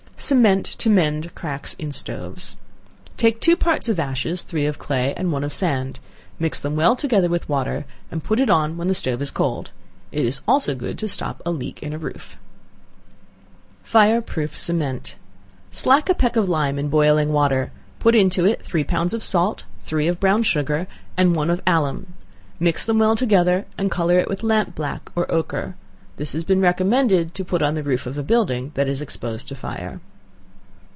Cement to Mend Cracks in Stoves. Take two parts of ashes, three of clay, and one of sand; mix them well together with water, and put it on when the stove is cold. It is also good to stop a leak in a roof. Fire proof Cement. Slack a peck of lime in boiling water; put into it three pounds of salt, three of brown sugar, and one of alum; mix them well together, and color it with lamp black or ochre. This has been recommended to put on the roof of a building that is exposed to fire.